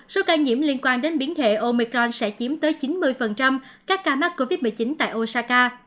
số ca nhiễm liên quan đến biến thể omicron sẽ chiếm tới chín mươi các ca mắc covid một mươi chín tại osaka